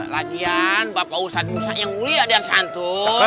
lagian bapak ustadz yang mulia dan santun